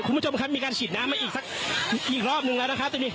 คุณผู้ชมครับมีการฉีดน้ำมาอีกสักอีกรอบนึงแล้วนะครับตอนนี้